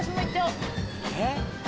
えっ？